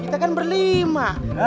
kita kan berlima